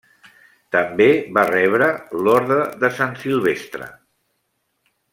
També va rebre l'Orde de Sant Silvestre.